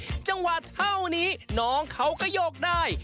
จังหวะเท่านี้น้องเขาก็โยกได้